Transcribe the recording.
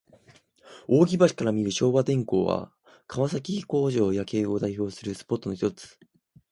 扇橋から見る昭和電工は、川崎工場夜景を代表するスポットのひとつ。